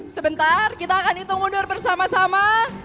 sebentar kita akan hitung mundur bersama sama